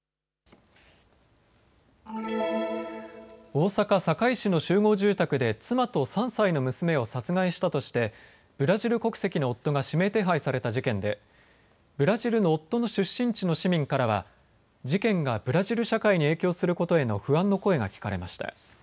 大阪堺市の集合住宅で妻と３歳の娘を殺害したとしてブラジル国籍の夫が指名手配された事件でブラジルの夫の出身地の市民からは事件がブラジル社会に影響することへの不安の声が聞かれました。